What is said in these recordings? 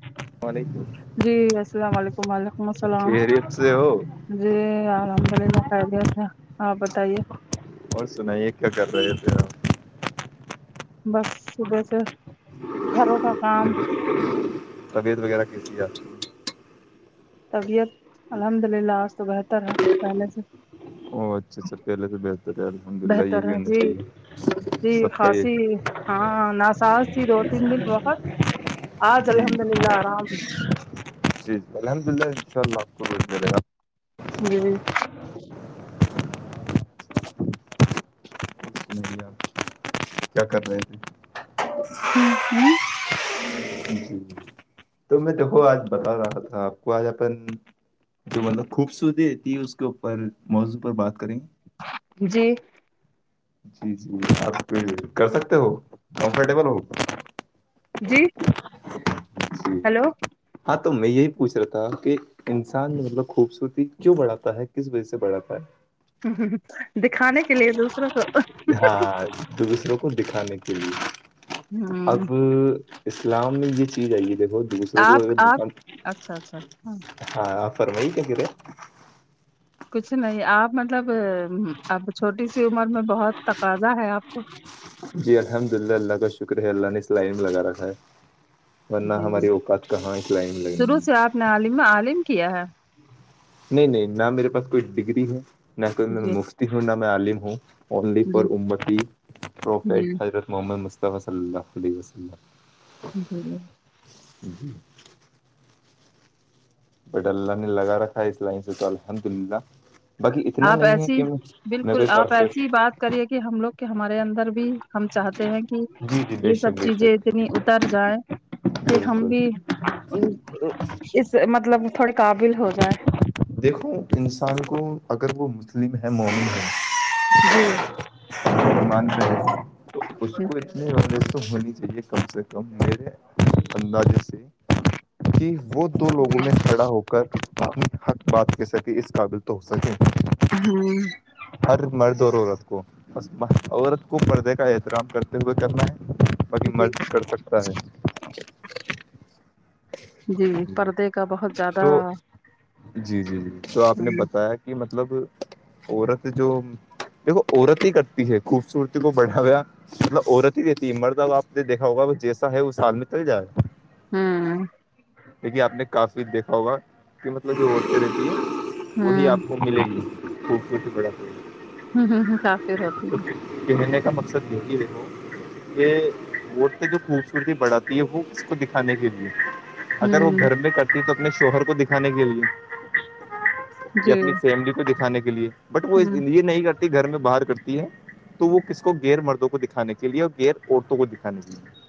ال وعلیکم جی السلام علیکم وعلیکم السلام خیریت سے ہو جی الحمد للہ خہدیا تھا آپ بتائیے اور سنائیے کیا کر رہے ہے بس صبح سے گھروں کا کام طبیعت وغیرہ کتی ہےج طبیعت الحمد للہ آج تو بہتر ہے پہلے سے او اچھا اچھا پہلے سے بہتر ہے الحمد للہ بہتر یہی ہے ہونا جی چاہیے جی سب کا یہ خاصی ہاں ناساز تھی دو تین دن بقت آج جی الحمد للہ آرام [unintelligible] جی اور سنائیے آپ کیا کرر لے تھ ہوں ہوں [unintelligible] تو میں دیکھو آج بتا رہا تھا آپ کو آج اپن جو مطلب خوبصورتی رہتی ہے اس کے اوپر موضوع پر بات کریں گ جی جی جی آپ کر سکتے ہو کمفرٹیبل ہو جی جی ہیلو ہاں تو میں یہی پوچھ رہا تھا کہ انسان مطلب خوبصورتی کیوں بڑھاتا ہے کس وجہ سے بڑھاتا ہے ہ ہ ہ ہاں دو دوسروں کو دکھانے کے لیے ہ اب اسلام میں یہ چیز آئی ہے دیکھو ر آپ آپ کو اچھا اچھا ہاں فرمئی کیا کہے کچھ نہیں آپ مطلب اب چھوٹی سی عمر میں بہت تقاضا ہے آپ کو جی الحمد للہ اللہ کا شکر ہے اللہ نے اسلائن میں لگا رکھا ہے ورنہ جی ہماری اوقات کہاں اس لائن لگنی ہے ن عالم عالم کیا ہے نہیں نہیں نہ میرے پاس کوئی ڈگری ہو نہ کوئی میں جی مفتی ہوں نہ میں عالم ہوں جی ا ف جی حضرت محمد مصطفی ص عل و [unintelligible] [unintelligible] بٹ اللہ نے لگا رکھا ہے اسلائم سے تو الحمد للہ باقی اتنا آپ نہیں ہے ایسی کہ میں بالکل کوئی آپ پرفیکٹ ایسی بات کریے کہ ہم لوگ ہمارے اندر بھی ہم چاہتے ہیں کہ جی جی بے یہ سب شک بے چیزیں شک اتنی اتر جائے کہ ہم بالکل بھی اس مطلب تھوڑے قابل ہو جائے دیکھو انسان کو اگر وہ مسلم ہے مومن ہیں جی مان جے ہاں تو اس کو اتنے و تو ہونی چاہیے کم سے کم میرے اندازے سے کہ وہ دو لوگوں میں کھڑا ہو کر اپنی حق بات کی سک کہ اس قابل تو ہو سکے ہوں ہر مرد ہو رہو رہا اس کو بس بس عورت کو پردے کا احترام کرتے ہوئے کرنا ہے باقی جی مرد کر سکتا ہے [unintelligible] جی پردے کا بہت زیادہ تو جی جی جی تو آپ نے ہ بتایا کہ مطلب عورت جو دیکھو عورت ہی کرتی ہے خوبصورتی کو بڑھاویا مطلب عورت ہی دیتی ہے مردہ اب آپ نے دیکھا ہوگا جیسا ہے وہ سال میں تل جائے گا ہاں دیکھیے آپ نے کاشو دیکھا ہوگا [unintelligible] میں جو عورتیں رہتی ہ ہیں وہی ہ آپ کو ملیں گی خوبصورتی پڑ [unintelligible] ہوں ہوں ہ کافریر ہوتی ہیں [unintelligible] پ منے کا مقصد یہی دیکھو [unintelligible] کہ وہ جو خوبصورتی بڑھاتی ہے وہ اس کو دکھانے کے لیے اگر وہ ہوں گھر میں کرتی تو اپنے شوہر کو دکھانے کے لیے جی یا اپنی فیملی کو دکھانے کے لیے بٹ وہ ہوں یہ نہیں کرتی گھر میں باہر کرتی ہے تو وہ کس کو گغیر مردوں کو دکھانے کے لیے اور گغیر عورتوں کو دکھانے کے لیے [unintelligible]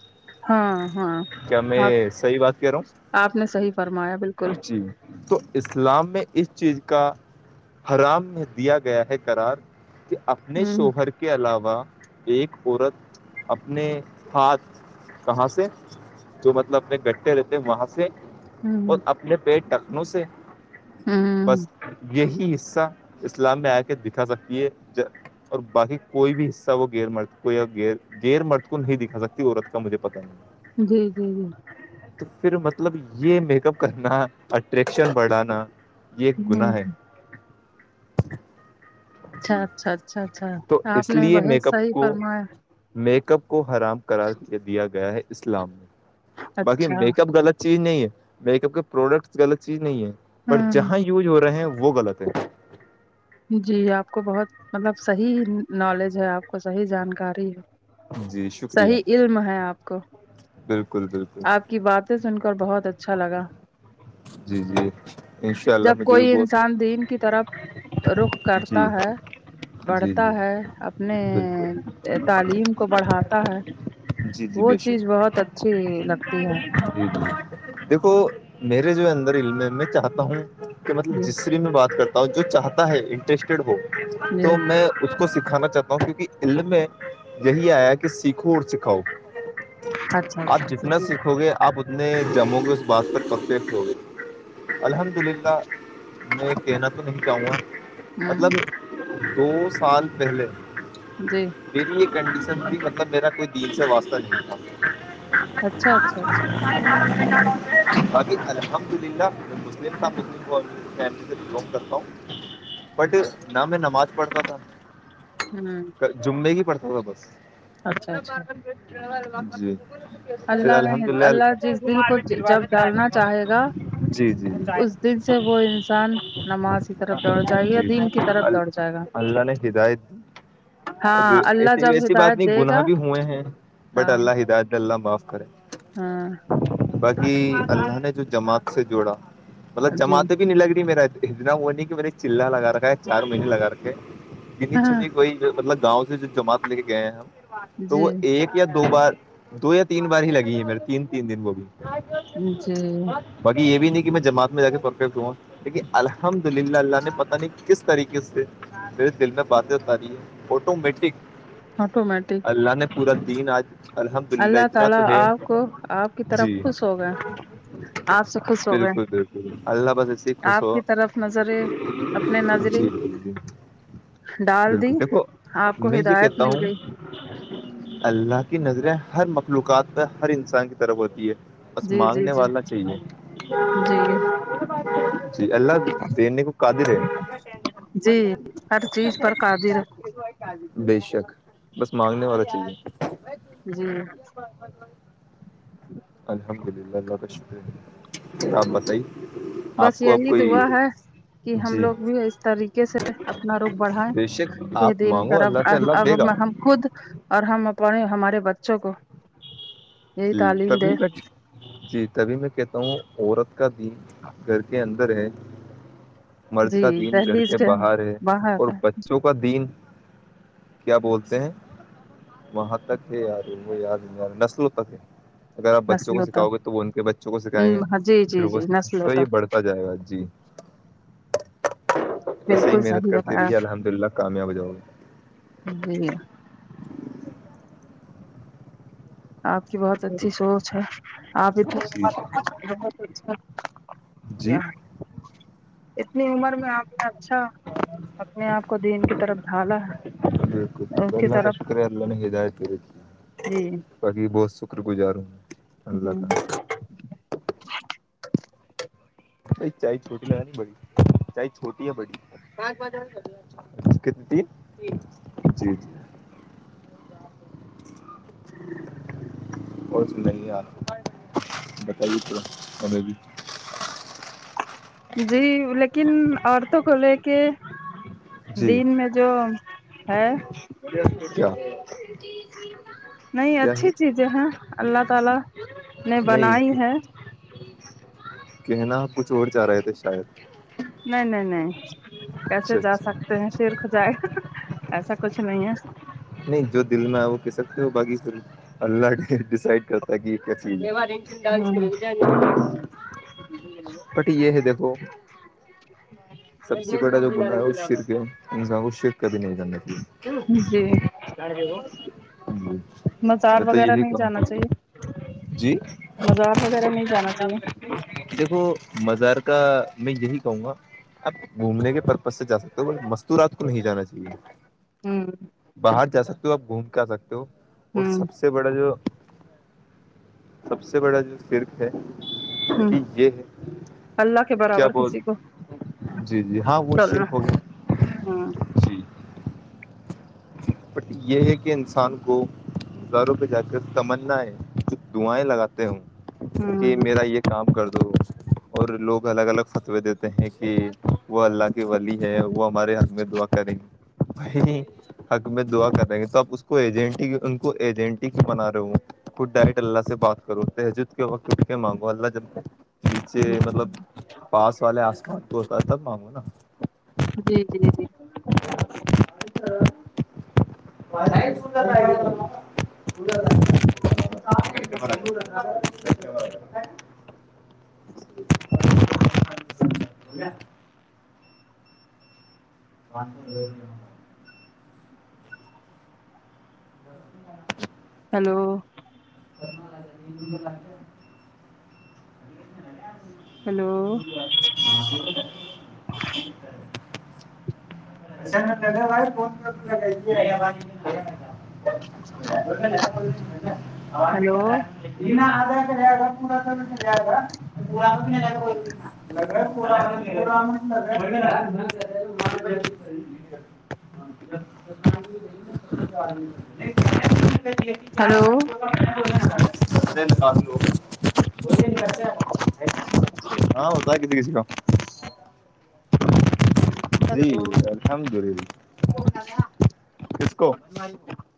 ہاں ہاں کیا آپ میں صحیح بات کہہ رہا ہوں آپ نے صحیح فرمایا بالکل جی تو [unintelligible] اسلام میں اس چیز کا حرام دیا گیا ہے کررار [unintelligible] کہ اپنے ہوں شوہر کے کے علاوہ ایک عورت اپنے ہاتھ کہاں سے جو مطلب اپنے گٹھے رہتے ہیں وہاں سے اور ہوں اپنے منے پیٹ ٹکھنوں سے [unintelligible] ہوں بس یہی حصہ اسلام میں آ کے دکھا سکتی ہے اور باقی کوئی بھی حصہ وہ گر مرتا کوئی اور گر [unintelligible] گیر مرد کو نہیں دکھا سکتی عورت کا مجھے پتا نہیں جی جی جی تو پھر مطلب یہ میک اپ کرنا اٹریکشن بڑھانا [unintelligible] یہ ایک ہوں گنااہ ہے [unintelligible] اچھا جی اچھا اچھا اچھا تو آپ اس نے لیے بہت میک اپ صحیح کو فرمایا میک اپ کو حرام کرار دیا گیا ہے اسلام میں باقی اچھا میک اپ غلط [unintelligible] چیز نہیں ہے میک اپ کے پروڈکٹس غلط چیز نہیں ہے بٹ ہوں جہاں یوز ہو رہے ہیں وہ غلط ہے جی آپ کو بہت مطلب صحیح نالج ہے آپ کو صحیح جانکاری ہے جی شکریہ صحیح علم ہے آپ کو بالکل بالکل آپ کی باتیں سن کر بہت اچھا لگا جی جی انشاء اللہ جب مجھے بھی کوئی بہت انسان دین کی طرف رخ کرتا جی ہے جی بڑھتا جی ہے اپنے بالکل تعلیم کو بڑھاتا ہے وہ چیز بہت اچھی ج لگتی ہے ج دیکھو میرے جو اندر علم میں چاہتا ہوں کہ مطلب جی جسری بھی میں بات کرتا ہوں جو چاہتا ہے انٹرسٹیڈ ہو جی تو میں [unintelligible] اس کو سکھانا چاہتا ہوں کیونکہ علم میں یہی آیا کہ سیکھو اور سکھاؤ اچھا اچھا اچھا جی ہو گے آپ اتنے جمو کے اس بات پر پرفیکٹ ہو گے الحمد للہ [unintelligible] میں کہنا تو نہیں چاہوں گا ہوں مطلب دو سال پہلے جی میری یہ کنڈیشن بھی مطلب میرا کوئی دل سے واسطہ نہیں تھا اچھا اچھا اچھا [unintelligible] فملی سے بلونگ کرتا ہوں بٹ نہ میں نماز پڑھتا تھا ہوں جملے ہی پڑتا تھا بس اچھا اچھا ج ھر اللہ الحمد نے اللہ جس دل کو جب للہ ڈالنا جی جی جن سے وہ انسان نماز کی طرف دوڑ جائے گا یا دین کی طرف دوڑ جائے گا اللہان کدائت ہاں [unintelligible] اللہ ایسی جب ایسی بات ہدایت نہیں دے گناہ گا بھی ہوئے ہیں بٹ ہاں اللہ ہداج [unintelligible] ا باپ کرریں [unintelligible] ہاں باقی اللہ نے جو جماعت سے جوڑا مطلب جی جماعتیں بھی نہیں لگ رہی میرا اتنا وہ نہیں کہ میں نے چلا لگا رکھا ہے چار مہینے لگا رکھے ہے کنی ہاں چنی کوئی مطلب گاؤں سے ج جماعت لے کے گئے ہیں ہم تو وہ جی ایک یا دو بار دو یا [unintelligible] تین بار ہی لگی ہے میرے تین تین دن وہ بھی جی باقی یہ بھی نہیں کہ میں جماع میں جا کے پرفیکٹ ہوں لیکن الحمد للہ اللہ نے پتاہ نہیں کس طریقے سے پھر دل میں باتیں ات رہی ہے آٹومیٹک [unintelligible] اللہ نے پورا دین آج الحمد للہ اللہ [unintelligible] بالکل تعالی آپ کو آپ کی طرف خوش ہو گئے آپ سے خوش ہو گئے بالکل اللہ بسسی خوش آپ ہو کی طرف نظریں اپنے نظری جی ج ڈال دی بالکل دیکھو آپ کو میں یہ ہدایت کہتا مل ہوں گئی اللہ کی نظریں ہر مخلوقات پر ہر انسان کی طرف ہوتی ہے بس جی جی مانگنے جی والا چاہیے جی جی اللہ دینکو قادر دے جی ہر چیز پر قادر بے شک بس مانگنے والا چاہیے [inaudible] الحمد للہ اللہ کا شکریہ آپ بتائیے آپ بس کو اب یہی کوئی دعا ہے کہ ہم جی لوگ بھی اس طریقے سے اپنا روخ بڑھیں بے شک کے آپ دن مانگو طرف اللہ سے اللہ اب دے گا ہم خود اور ہم اپنے ہمارے بچوں کو یہی جی تعلیم تبھی دے میں جی تبھی میں کہ تاوں عورت کا دن گھر کے اندر ہے مرد جی کا دین گھر دہلیز کے باہر ہے اور باہر بچوں کا دین کیا بولتے ہیں وہاں تک ہے یار وہ یاد نہیں یار نسل و اگر آپ بچوں کو نسلوں سکھاؤ تک گے تو وہ ان کے بچوں کو سکھائیں گے جی پھر جی وہ جی نسلوں تو یہ تک بڑھ بجائے باد جی اسے ہی بالکل محنت صحیح کرتے بتایا رہیے الحمد للہ کامیاب جاؤ گے [inaudible] [inaudible] آپ کی بہت گے اچھی سوچ ہے آپ جی انے بہت اچھا جی یہ اتنی عمر میں آپ اچھا اپنے آپ کو دین کی طرف ڈھالا ہے اس کی بلہ طرف چشکری اللہ نائتی رہتی جی جی بہت شکر گزار ہوں میں اللہ ہ کاال بئی چائے چھوٹی لگاانی بڑی چائے چھوٹی یا بڑی [inaudible] اور س یار بتائیے تھا ہمیں بھی جی لیکن عورتوں کو لے کے جی دین میں جو ہاں کیا نہیں کیا ہے اچھی چیزیں ہیں اللہ تعالا نے بنائی نہیں ہے کہنا کچھ اور جا رہے تھے شاید نہیں نہیں نہیں کیسے اچھا جا اچھا سکتے ہیں سیر ک جائے گا ایسا کچھ نہیں ہے نہیں جو دل میں وہ کہہ سکتے ہو باقی اللہ کے ڈسائڈ کرتا گ ڈانس ہاں کر بٹی یہ ہے دیکھو سب سے بڑا جو بندا ہے اس شر کے انسان کو شر کبھی نہیں جنا جی چاہیے ہ مزار میں تو وغیرہ یہی نہیں کہم جانا چاہیے جی مزار وغیرہ نہیں جانا چاہیے دیکھو مزار کا میں یہی کہوں گا اپ گھومنے کے پرپز سے جا سکتے ہو ب مستورات کو نہیں جانا چاہیے ہوں باہر جا سکتے ہو آپ گھوم کے آ سکتے ہو اور ہ سب سے س سے بڑا جو سب سے بڑا جو سرک ہے ہ ہ کہ یہ اللہ کے کیا برابر بول کسی کو جی جی ہاں وہ شلپ ہو گیا ہاں جی بٹ یہ ہے کہ انسان کو گاروں پہ جا کر تمنا ہے ک دعائیں لگاتا ہوں کہ ہوں میرا یہ کام کر دو اور لوگ الگ الگ فتوے دیتے ہیں کہ وہ اللہ کی ولی ہے وہ اری ہم میں دا کری حق میں دعا کر رہیں گے تو آپ اس کو ایجنٹی ان کو ایجنٹی کیوں بنا رہے ہو خڈ ڈائٹ اللہ سے بات کرو ت جود کے وود کے مانگو اللہ جلتے پیچے مطلب پاس والے آسمان تو ہوتا ہے تب مانگوں نا جی جی جی [unintelligible] [unintelligible] [unintelligible] [unintelligible] ہلو [unintelligible] ہلو [unintelligible] د واہر فون کر کہ ہلو [unintelligible] [unintelligible] [unintelligible] [unintelligible] [unintelligible] ہلو ہاں ہوتا کسی کسی کا جی ہلو الحمد للہ کس کو